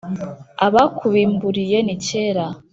Abakubimburiye ni kera